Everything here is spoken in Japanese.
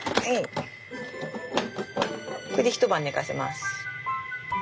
これで一晩寝かせます。